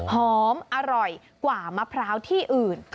หอมอร่อยกว่ามะพร้าวที่อื่น